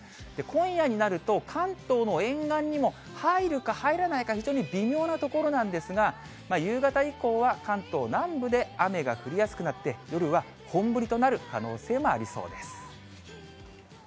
今夜になると、関東の沿岸にも入るか入らないか、非常に微妙なところなんですが、夕方以降は、関東南部で雨が降りやすくなって、夜は本降りとなる可能性もありそうです。